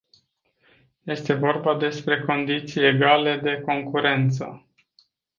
Este vorba despre condiții egale de concurență.